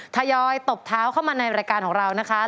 ทยอยตบเท้าเข้ามาในรายการของเรานะคะ